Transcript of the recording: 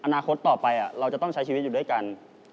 อนาคตต่อไปเราจะต้องใช้ชีวิตอยู่ด้วยกัน